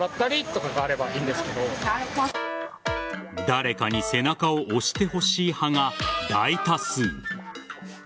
誰かに背中を押してほしい派が大多数。